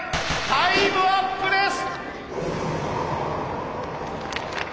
タイムアップです！